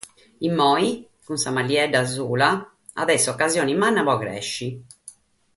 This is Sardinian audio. Immoe, cun sa màllia biaita, at a èssere ocasione manna pro crèschere.